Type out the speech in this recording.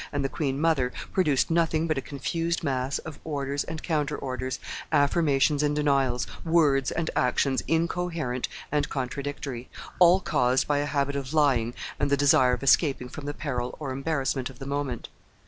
and the queen mother produced nothing but a confused mass of orders and counter orders, affirmations and denials, words and actions incoherent and contradictory, all caused by a habit of lying and the desire of escaping from the peril or embarrassment of the moment.